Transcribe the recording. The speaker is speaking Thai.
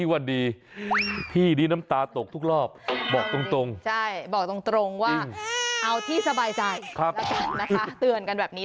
ว่าเหตุเกิดที่นี่